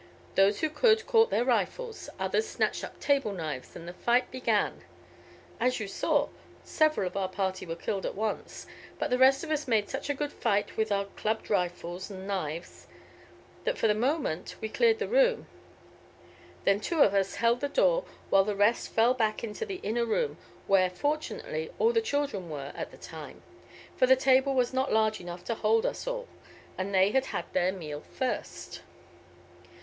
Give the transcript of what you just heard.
Those who could caught their rifles, others snatched up table knives, and the fight began. As you saw, several of our party were killed at once, but the rest of us made such a good fight with our clubbed rifles and knives that for the moment we cleared the room, then two of us held the door while the rest fell back into the inner room, where, fortunately, all the children were at the time, for the table was not large enough to hold us all, and they had had their meal first.